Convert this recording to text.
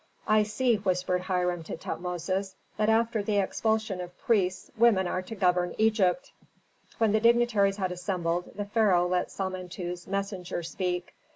"I see," whispered Hiram to Tutmosis, "that after the expulsion of priests women are to govern Egypt." When the dignitaries had assembled, the pharaoh let Samentu's messenger speak.